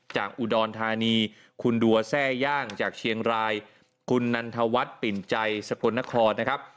จากอุดรธานีคุณดัวแทร่ย่างจากเชียงรายคุณนันทวัฒน์ปิ่นใจสกลนครนะครับ